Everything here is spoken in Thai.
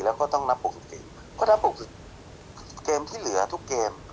แล้วก็ต้องนับหกสิบสี่เพราะนับหกสิบสี่เกมที่เหลือทุกเกม